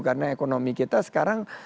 karena ekonomi kita sekarang